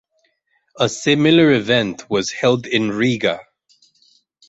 A similar event was held in Riga.